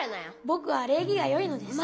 ぼくは礼儀がよいのです。